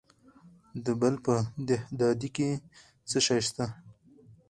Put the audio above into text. د بلخ په دهدادي کې څه شی شته؟